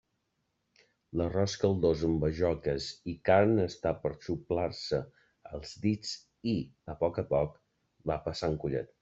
L'arròs caldós amb bajoques i carn està per a xuplar-se els dits i, a poc a poc, va passant collet.